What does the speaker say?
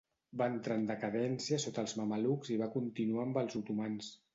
Va entrar en decadència sota els mamelucs i va continuar amb els otomans.